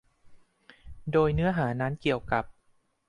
โดยเนื้อหานั้นเกี่ยวกับ